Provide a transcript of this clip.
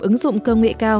ứng dụng công nghệ cao